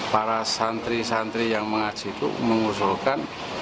para santri santri yang mengaji itu mengusulkan